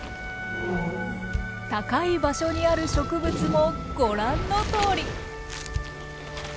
高い場所にある植物もご覧のとおり。